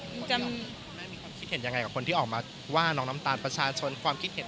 แม่มีความคิดเห็นยังไงกับคนที่ออกมาว่าน้องน้ำตาลประชาชนความคิดเห็น